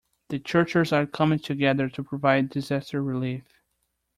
The churches are coming together to provide disaster relief.